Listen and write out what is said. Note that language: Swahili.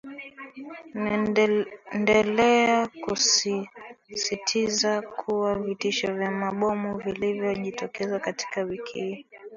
ndelea kusisitiza kuwa vitisho vya mabomu vilivyo jitokeza katika wiki hii